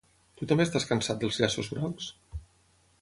Tu també estàs cansat dels llaços grocs?